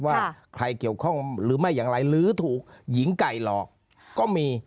ว่าใครเกี่ยวข้องหรือไม่อย่างไรหรือถูกหญิงไก่หลอกก็มี